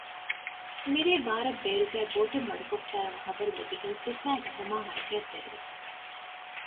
މިރޭ ބާރަށް ބޭރުގައި ބޯޓެއް މަޑުކޮށްފައި އޮތް ޚަބަރު ލިބިގެން ސިފައިން އެކަމާ ޙަރަކާތްތެރިވި